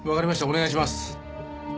お願いします。